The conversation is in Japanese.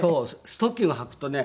ストッキングはくとね